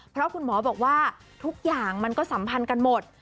เพราะคุณหมอบอกว่าทุกอย่างมันก็สัมพันธ์กันหมด